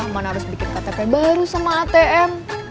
mana harus bikin ktp baru sama atm